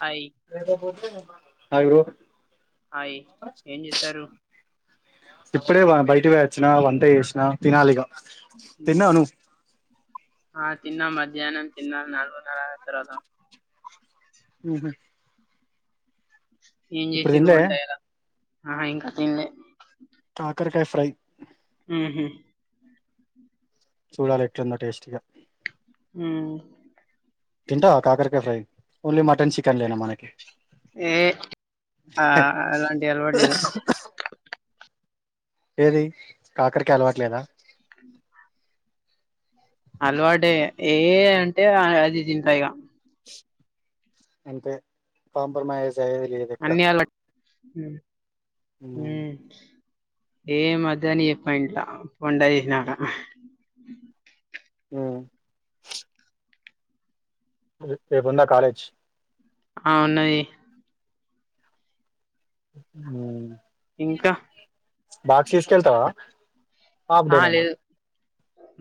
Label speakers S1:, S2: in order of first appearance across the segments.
S1: Hi
S2: hi bro
S1: hi ఏం చేత్తారు
S2: ఇప్పుడే బయటివే వచ్చిన వంట చేసినా తినాలిగా తిన్నావా
S1: ఉహు
S2: నువ్వు
S1: ఆ తిన్న మధ్యాహ్నం తిన్నా నాలుగునర్ర తర్వాత
S2: ఉహు
S1: ఏం
S2: ఇప్పుడు
S1: చేసిరు
S2: తినలే
S1: వంట ఇలా ఆహ ఇంకా తిన్లే
S2: కాకరకాయ ఫ్రై
S1: ఉహు
S2: చూడాలి ఎట్లుందో టేస్టీగా
S1: ఊ
S2: తింటా కాకరకాయ ఫ్రై ఓన్లీ మటన్ చికెన్ లేనా మనకి
S1: ఏ ఆ అలాంటి అలవాటు లేదు.
S2: ఏది కాకరికాయ్ అలవాట్లేదా
S1: అలవాడే ఏ అంటే అది జింతైగా
S2: అంతే కాంప్రమైజ్ అయ్యేది లేదు ఇక్కడ
S1: ఉ ఊ ఏ మధ్యాన చెప్పయిలా వంటచేసినాక
S2: ఆ రేపు ఉందా కాలేజ్
S1: ఆ వున్నయి
S2: అ
S1: ఇంకా
S2: బాక్స్ తీస్కెల్తావా ఆప్
S1: ఆ
S2: డే నేనా
S1: లేదు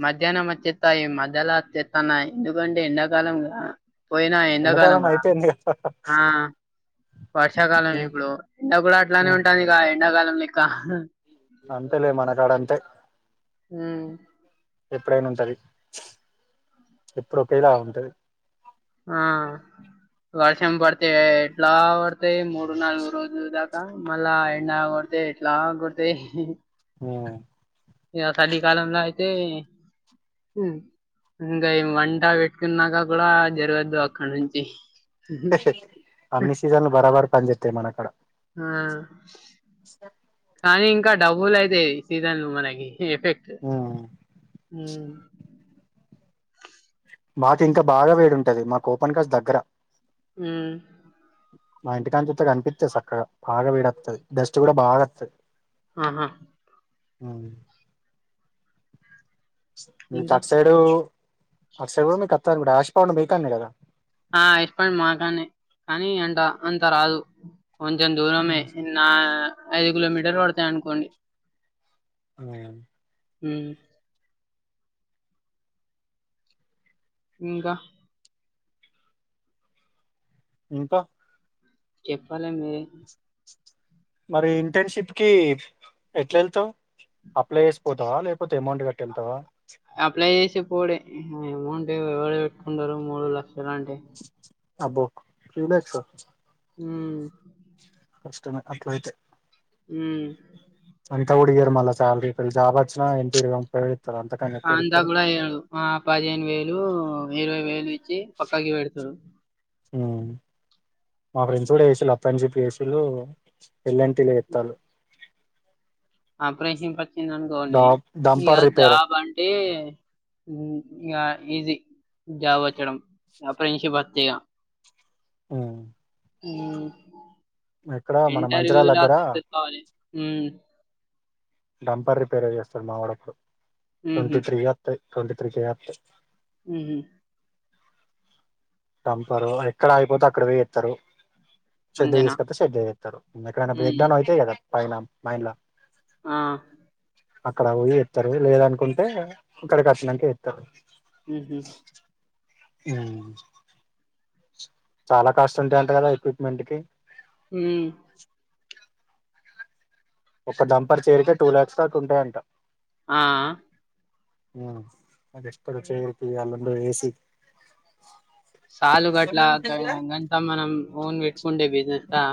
S1: మధ్యాహ్నం వచ్చత్తాయి మద్దెల తెత్తన ఎందుకంటే ఎండాకాలం పోయినా
S2: ఎండాకాలం
S1: ఎండాకాలంగా
S2: అయిపోయింది కదా
S1: ఆ వర్షాకాలం
S2: ఉమ్
S1: ఇప్పుడు ఇంట కూడా అట్లానే
S2: ఉమ్
S1: ఉంటది ఇగ ఎడాకాలం లేక్క
S2: అంతేలే మన కాడ అంతే
S1: ఉమ్
S2: ఎప్పుడైనా ఉంటది. ఎప్పుడు ఒకేలా ఉంటది.
S1: ఆ వర్షంపడితే ఎట్లా పడతయి మూడునాలుగు రోజుల దాకా ఆ మళ్ళా ఎండా కొడితే ఎట్లా కొడతేయి
S2: అ
S1: ఇగా సలికాలంలా అయితే హ్ ఇంగా ఈ మంటపెట్టుకున్నాక కూడా జరగద్దు అక్కడ నుంచి.
S2: అన్ని సీజన్లు బరాబర్ పనిచెత్తయి మనకాడ.
S1: ఆ
S2: స
S1: కానీ ఇంకా డబుల్ అయితయి సీజన్లు మనకి ఎఫెక్ట్.
S2: ఉమ్ మాకింకా బాగా వేడుంటది, మాకు ఓపెన్కాస్ట్ దగ్గర.
S1: హ్
S2: మా ఇంటికానుంచూత్తే కనిపిత్తది సక్కగా బాగా వేడత్తది, డస్ట్ కూడా బాగాఅత్తది.
S1: ఆహా
S2: అవును. మీకు
S1: ఇంకా
S2: అటుసైడూ అటుసైడు కూడా మీకు అత్తది అనుకుంట యాష్పౌండ్ మీకాన్నే కదా.
S1: ఆ యాష్పౌండ్ మాకాన్నే కానీ అంత అంతరాదు. కొంచెం దూరమే.
S2: ఉమ్.
S1: నా ఐదు కిలోమీటర్లు పడతయి అనుకోండి.
S2: అవునా
S1: హ్ ఇంకా
S2: ఇంకా
S1: చెప్పాలె మీ
S2: మరి ఇంటర్న్షిప్ కి ఎట్లేళ్తవు? అప్లై చేసి పోతవా లేపోతే అమౌంట్ కట్టి ఎళ్తావా.
S1: అప్లై చేసి పోవుడే, అమౌంట్ ఎవరు పెట్టుకుంటరు మూడులక్షలు అంటే.
S2: అబ్బో థ్రిలాక్స్ ఆ.
S1: ఆ
S2: కష్టమే అట్లయితే.
S1: హ్
S2: అంతకుడియరు మళ్ళా సాలరీ ఒకవేళ జాబ్ అచ్చినా ఎంత ఇరవై ముప్పైవేలు.
S1: అంతా కూడఇయరు. ఆ పదిహేను వేలు ఇరవై వేలు ఇ చ్చి పక్కకి పెడతరు.
S2: ఆ మా ఫ్రెండ్స్ కూడాచేసిళ్ళు అప్రెంటిస్‌షిప్ చేసిళ్ళు ఎల్ అండ్ టిల చేత్తాల్లు.
S1: అప్రెం‌షిప్ అ చ్చింది అనుకోని
S2: ద
S1: ఇగ
S2: డంపర్ రిపేర్
S1: జాబ్ అంటే ఇ ఇగా ఈసీ జాబ్ వచ్చడం అప్రెంటిస్‌షిప్ అత్తే ఇగా.
S2: ఆ మన మంచిరాల
S1: ఇంటర్వ్యూలా
S2: దగ్గర
S1: సక్సెస్ కావాలి.
S2: డంపర్ రిపేర్ చేస్తడు మావాడప్పుడు,
S1: హుహు.
S2: ట్వంటీత్రీ ఇగ అత్తయి. ట్వంటీత్రీ కే అత్తయి.
S1: హ్
S2: టంపరు ఎక్కడ ఆగిపోతే అక్కడ పోయిచేత్తరు. షెడ్కు
S1: అంతేనా?
S2: తీసుకొస్తే షెడ్ల చేత్తరు. ఎక్కడైనా
S1: హ్మ్.
S2: బ్రేక్డౌన్ అయితయికదా పైన మైన్ల.
S1: ఆ
S2: అక్కడ పోయి ఎప్తరు లేదనుకుంటే ఇక్కడికి వచ్చినకే ఎత్తరు
S1: హు హ్మ్
S2: హా చాలా కాస్ట్ ఉంటాయి అంటా కదా ఎక్విప్మెంట్ కి
S1: హ్మ్
S2: ఒక డంపర్ చైర్ కే టూ ల్యాక్స్ దాకా ఉంటాయంట
S1: ఆ
S2: ఆ అది ఎక్స్పర్ చైర్ కి అల్లం లో ఏసి
S1: సాలు గట్లా గంతా మనం ఓన్ పెట్టుకుండే బిజినెస్ తా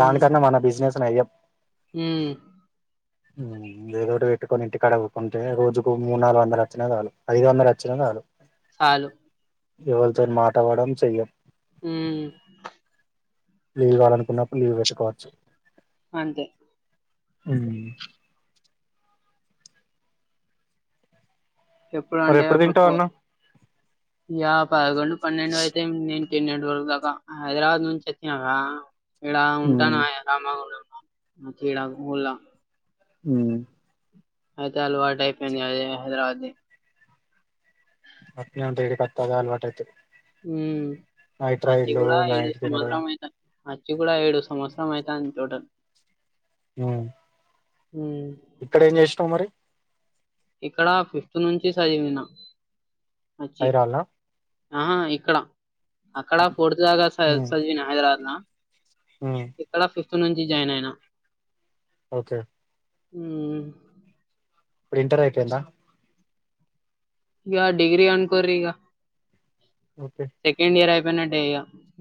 S2: దానికన్నా మన బిజినెస్ నయం
S1: హ్మ్
S2: హ్మ్ ఏదోటి పెట్టుకొని ఇంటి కాడ ఊకుంటే రోజుకు మూడు, నాలుగు వందలు వచ్చినా చాలు ఐదు వందలు వచ్చిన. చాలు
S1: సాలు
S2: ఎవలితో మాట పడం చెయ్యం
S1: ఉమ్
S2: లీవ్ కావాలనుకున్నప్పుడు లీవ్ పెట్టుకోవచ్చు.
S1: అంతే
S2: హ్మ్
S1: ఎప్పుడు
S2: మరి
S1: అంటే అప్పుడు
S2: తింటావు
S1: పోత్
S2: అన్నం
S1: ఇగ పదకొండు పన్నెండు అయితే నేన్ నిన్నటి వరకు దాకా హైదరాబాద్ నుంచి వచ్చినక ఇడ
S2: హ్మ్
S1: ఉంటానా ఎల్లమ్మ గుడి లో. ఇంక ఈడ గుళ్ళ
S2: హూ
S1: అయితే అలవాటు అయిపోయింది అదే హైదరాబాద్ ది
S2: అట్నే ఉంట ఈడి కొత్తే అదే అలవాటు అయితే
S1: అచ్చి కూడ ఐదో
S2: నైట్ తినడం
S1: సంవత్సరం అయితా వచ్చి కూడా ఏడో సంవత్సరం అయితంది టోటల్
S2: హ్మ్
S1: ఉమ్.
S2: ఇక్కడ ఏం చేసినావు మరి
S1: ఇక్కడ ఫిఫ్త్ నుంచి చదివిన
S2: హైర్లానా
S1: ఆ హా ఇక్కడ అక్కడ ఫోర్త్ దాగా సద్
S2: హ్మ్
S1: సదివిన హైదరాబాద్ లో
S2: హ్మ్
S1: ఇక్కడ ఫిఫ్ ఫ్త్ నుంచి జాయిన్ అయినా
S2: ఓకే
S1: హూ
S2: ఇప్పుడు ఇంటర్ అయిపోయిందా
S1: ఇగా డిగ్రీ అనుకోరీ ఇగ
S2: ఓకే
S1: సెకండ్ ఇయర్ అయిపోయినట్టే ఇగ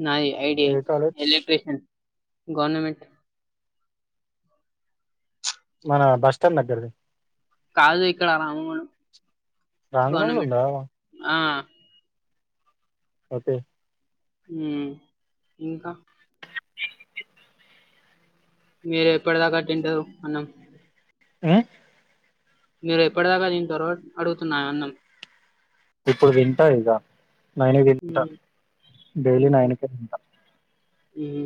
S1: నాది ఐడి
S2: ఏ కాలేజ్
S1: ఎలక్ట్ర్రిషన్ గవర్నమెంట్
S2: మన బస్టాండ్ దగ్గరది
S1: కాదు ఇక్కడ రామగుండం
S2: రాంగుండం లో
S1: గవర్నమెంట్
S2: ఉందా
S1: ఆ
S2: ఓకే
S1: ఉమ్ ఇంకా మీరు ఎప్పటిదాకట్టింటారు అన్నం
S2: ఆ
S1: మీరు ఎప్పటిదాకా తింటరో అడుగుతున్నా అన్నం
S2: ఇప్పుడు తింటా ఇగ నైను తింటా
S1: ఉమ్
S2: డైలీ నైన్కే తింటా
S1: ఉం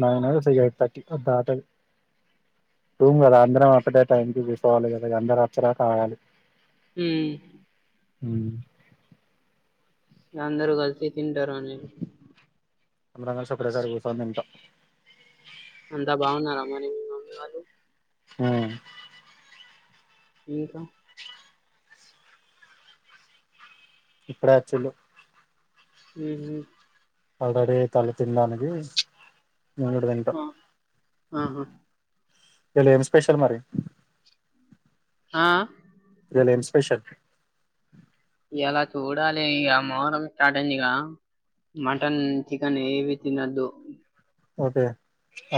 S2: న నా స తటి అంతా అట [unintelligible] రూం కదా అందరం ఒక్కటే టైంకి కుసోవాలి కదా అందర వచ్చెరక ఆగాలి
S1: ఉం
S2: ఉం
S1: అందరు కల్సి తింటారు
S2: అందరం కలిసి ఒకటేసారి కుసోనీ తింటం
S1: అంతా బాగున్నార మరి మీ మమ్మీ వాళ్ళు
S2: ఆ
S1: ఇంకా
S2: ఇప్పుడే అచీల్లు
S1: ఉం ఉం
S2: ఆల్రెడీ తల్లి తినడానికి నను ఇడు తనిప్ప
S1: ఆ
S2: [unintelligible]
S1: ఆహా
S2: ఇయ్యాల ఏమ్ స్పెషల్ మరి
S1: ఆ
S2: ఇయల ఏం స్పెషల్
S1: ఇయ్యాల చూడాలి ఇగ మోహారం స్టార్ట్ అయింది ఇగ మటన్ చికెన్ ఏవి తినొద్దు
S2: ఓకే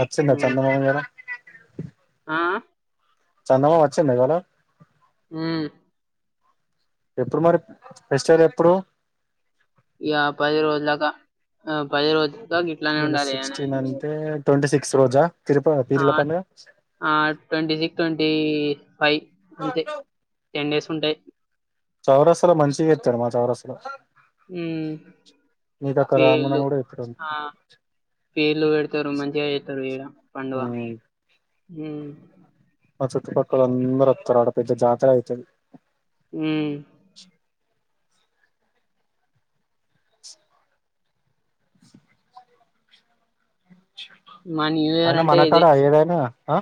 S2: అచ్చిందా చందమామా ఇయల
S1: ఆ
S2: చందమామా వచ్చిందా ఇవాల
S1: ఉం
S2: ఎప్పుడు మరి ఫెస్టివల్ ఎప్పుడు
S1: ఇగ పది రోజుల దాకా పది రోజులు దాకా ఇట్లానే
S2: ఇయాల
S1: ఉండాలి అని
S2: సిక్స్టీన్ అంటే ట్వంటీ సిక్స్ రోజా తిరుప
S1: ఆ
S2: పీర్ల పండుగ
S1: ఆ ట్వంట సిక్స్ ట్వ టీ ఫైవ్ అంతే టెన్ డేస్ ఉంటాయి
S2: చౌరస్తలో మంచిగా ఇస్తారు మా చౌరస్తలో
S1: ఉం
S2: మీకక్క రామున్న కూడా ఇప్పుడు ఉ [unintelligible]
S1: పేర్లు పెడతారు మంచిగా చేస్తారు ఇడ పండుగ
S2: ఉమ్
S1: హమ్
S2: మా చుట్టుపక్కల అందరు వత్తరు ఆడ పెద్ద జాతర అయితది
S1: ఉమ్ మా న్యూ ఇయర్
S2: అయినా
S1: అంటే
S2: మనకాడ
S1: ఇదే
S2: ఏదైనా ఆ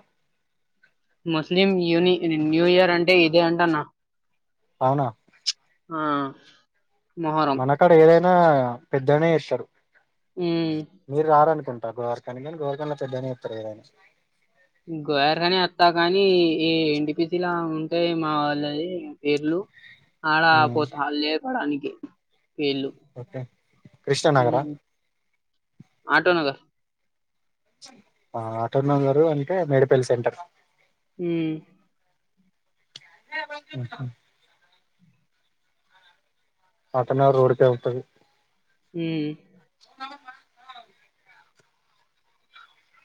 S1: ముస్లిం యూని న్యూ ఇయర్ అంటే ఇదే అంటన్నా
S2: అవునా
S1: ఆ మొహరం
S2: మనకాడ ఏదైనా పెద్దగనే చేస్తారు
S1: ఉమ్
S2: మీరు రారనుకుంట గోవఖ కానీ గోర్కర్ లో పెద్ద అని చెతారు ఆని [unintelligible]
S1: గోయర్ ఇలా ఉంటయి మా వాళ్ళది పేర్లు ఆడాపో
S2: ఉమ్
S1: తాడ్లే ఆనికె వీళ్ళు
S2: ఓకే కృష్ణానగరా
S1: ఉమ్.. ఆటోనగర్
S2: ఆ ఆటోనగర్ అంటే మేడిపల్లి సెంటర్
S1: ఉమ్..
S2: మ్ హుమ్మ్ ఆటోనగర్ రోడ్ కెళ్తది
S1: మ్..
S2: [unintelligible]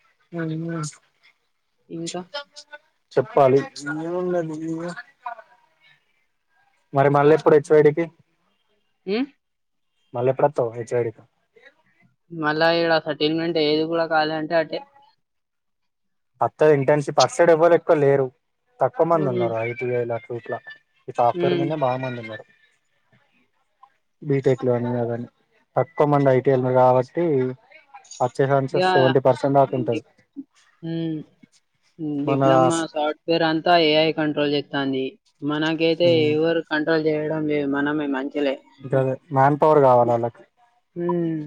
S2: [unintelligible]
S1: ఇంకా
S2: చెప్పాలి ఏఉన్నదీ మరి మళ్ళెప్పుడు హెచ్ వై డికి
S1: మ్
S2: మళ్లెప్పుడొత్తవ్ హెచ్ వై డి తొ
S1: మళ్ళా ఈడ సెటిల్మెంట్ ఏది కూడా కాదంటె అటే
S2: అత్త ఇంటర్న్షిప్ అటు సైడ్ ఎవ్వరు ఎక్కువ లేరు తక్కువ మంది
S1: ఉమ్
S2: ఉన్నారు ఐదు వేలకు ఇట్లా ఇట్టా ఆప్కరు
S1: ఉమ్
S2: మిన్నె బా మందిఉన్నారు బీటెక్ లో అని కదని తక్కువ మంది ఐటిఎల్ కాబట్టీ అచ్చె ఛాన్సెస్
S1: యా
S2: సెవెంటీ పర్సెండాఫ్ ఉంటది
S1: మ్..
S2: మన
S1: డిప్లొమా సాఫ్ట్వేర్ అంతా ఏఐ కంట్రోల్ చెస్తాంది మనకైతే ఎవ్వరు కంట్రోల్ చేయడం మనమే మంచి లే
S2: గదే మ్యాన్ పవర్ కావాలి
S1: మ్...
S2: వాళ్ళకి
S1: మ్...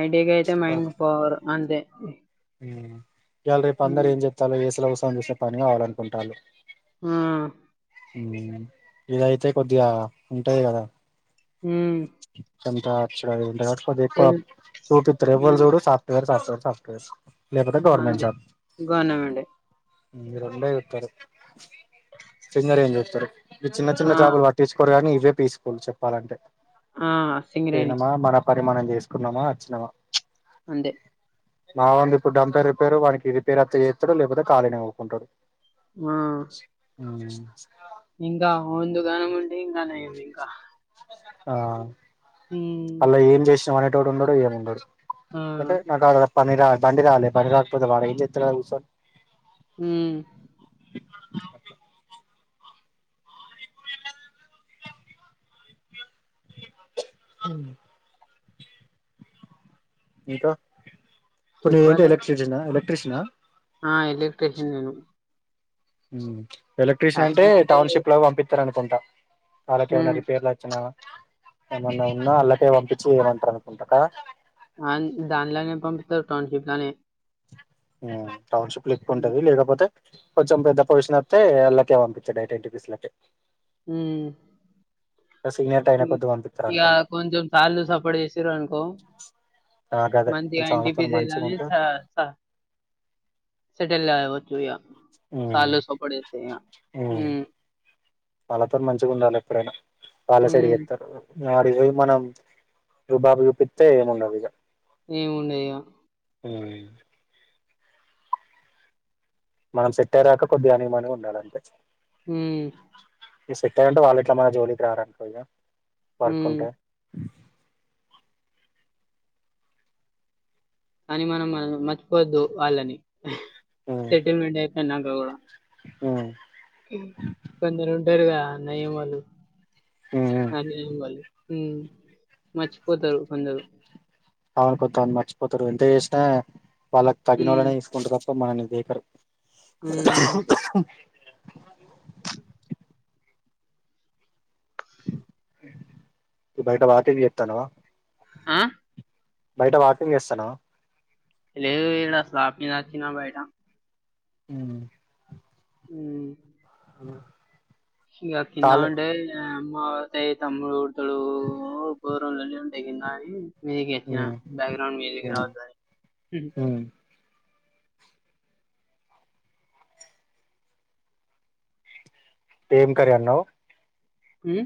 S1: ఐ టి కైయితే మైండ్ పవర్ అంతే
S2: మ్... ఇవల రేపు అందరు
S1: హ్మ్.
S2: ఏం చెప్తాలు ఏసీలో కూసోని చెసే పని ఆలు అనుకుంటారు
S1: మ్..
S2: మ్.. ఇదయితే కొద్దిగా ఉంటయి కదా
S1: మ్
S2: ఎంత అచ్చడా ఎంత కాడికి ఎక్కువ చూపిస్తరు ఎవ్వరు
S1: హ్మ్.
S2: చూడు సాఫ్ట్వేర్ సాప్ట్వేర్ సాఫ్ట్వేర్ లేపోతే గవర్నమెంట్
S1: అంతే.
S2: జాబ్
S1: గవర్నమెంటే.
S2: ఈ రెండే చూత్తారు చిన్నవి ఏం చూస్తరు ఈ చిన్న చిన్న
S1: ఆ!
S2: జాబులు పట్టించుకోరు గానీ ఇవే పీస్ ఫుల్ చెప్పాలంటే
S1: ఆ సింగరేణి
S2: పోయినమా మన మనం చేసుకున్నామా వచ్చినమా
S1: ఉండె
S2: బా వుంది ఇప్పుడు డంపేర్ రిపేరు వానికి రిపేర్ అత్త చేస్తాడు లేపోతే ఖాళీనె వూకుంటాడు
S1: మ్..
S2: మ్
S1: ఇందా ముందు గానం ముంటె ఇంకానయం ఇంకా
S2: ఆ
S1: హ్మ్.
S2: అల్ల ఏం చేసినవ్ అనేటోడు ఉండడు ఏమి ఉండడు
S1: ఆ!
S2: అంటే నాకు ఆడ పనిరా బండిరాల బండి రాకపోతే వాడేం చెత్తడ ఆ కూసోని
S1: మ్
S2: [inaudible] మ్ ఇంకా ఇప్పుడు నువు ఏంటి
S1: చెప్పాలే.
S2: ఎలక్ట్రిజిషిన ఎలక్ట్రిషన్ ఆ
S1: ఆ ఎలక్ట్ర్రిషియన్ నేను
S2: ఎలక్ట్ర్రిషియన్ అంటే
S1: అయిపోయినంటే
S2: టౌన్షిప్ లో పంపిస్తారు అనుకుంటా వాళ్ళకేమైన
S1: హ్మ్.
S2: రిపేర్లు వచ్చిన ఏమన్నా ఉన్నా అలాగే పంపించి ఏయమంటారు అనుకుంట
S1: అ దాన్లానే పంపిత టౌన్షిప్ లానే
S2: టౌన్షిప్లు ఎక్కువ
S1: హ్మ్.
S2: ఉంటది లేకపోతే కొంచెం పెద్ద పొజిషన్ వస్తె వాళ్ళకే పంపి చే ఎయిట్ రూపీస్ అట్లే
S1: హ్మ్మ్
S2: సీనియర్ అయిన కొద్ది పంపిస్తారు
S1: ఇక
S2: అనుకుంటా
S1: కొంచెం సార్లు సపోర్ట్ చేశారు అనుకో
S2: నాకదే
S1: మంచిగా
S2: కొంచెం
S1: ఇంటర్షిప్
S2: వాళ్ళతో మంచిగా
S1: చేసి
S2: ఉంటే
S1: సెటిల్ కావచ్చు సూయ
S2: ఉమ్
S1: సాలు సపోర్ట్ చేస్తాయా
S2: ఉమ్, వాళ్ళతో మంచిగా ఉండాలి ఎప్పుడైనా వాళ్ళే
S1: హ్మ్.
S2: సరిగెస్తారు ఆడికి పోయి మనం రుబాబు చూపిస్తే ఏముండదు ఇక
S1: ఏముంది ఇగ
S2: హ్మ్మ్ మనం సెట్ అయ్యే దాకా కొద్దిగా అణిగిమనిగి ఉండాలి అంతే
S1: హ్మ్మ్
S2: సెట్ అయితే వాళ్ళు మన జోలికి రారు అనుకో ఇంకా వర్క్
S1: హ్మ్.
S2: ఉంటే
S1: కాని మనం మర్చిపోవద్దు వాళ్ళని సెటిల్మెంట్ అయిపోయినాక కూడా
S2: హ్మ్మ్
S1: కొందరు ఉంటారు కదా అన్నయ్య వాళు
S2: ఉమ్ ఉమ్.
S1: అన్న వాళ్ళు హ్మ్మ్ మర్చిపోతారు కొందరు
S2: అవును కొత్తా మర్చిపోతారు ఎంత చేసినా వాళ్ళకి తగిన
S1: హ్మ్.
S2: వాళ్ళనే తీసుకుంటారు తప్ప మనల్ని దేకరు
S1: హ్మ్.
S2: అ బయట వాకింగ్ చేస్తున్నావా
S1: ఆ
S2: బయట వాకింగ్ చేస్తానావ
S1: లేదు ఇడా వాకింగ్ వచ్చిన బయట
S2: హ్మ్మ్
S1: హ్మ్మ్
S2: అ
S1: ఇంక కిందవంటే మాతయి తమ్ముడు హోటల్ కూర నూనే తగిలినది
S2: ఉమ్ ఉమ్
S1: [inaudible]
S2: ఉమ్ ఏం కర్రీ అన్నావు
S1: హు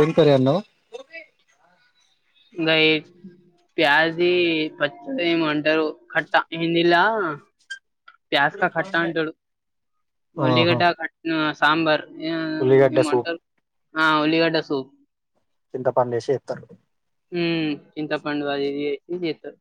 S2: ఏం కర్రీ అన్నావు
S1: ప్యాజ్ ది పచ్చడి ఖట్టా హిందీల ప్యాస్కా ట్టా అంటాడు
S2: ఆహా
S1: వల్లిగడ్డ కట్నా సాంబార్
S2: ఉల్లిగడ్డ
S1: మంట
S2: సూప్
S1: ఆ ఉల్లిగడ్డ సూప్
S2: చింత పండేసి చెప్తారు
S1: హ చింతపండు అది ఇది యాసిచేస్తారు